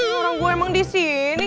orang gua emang disini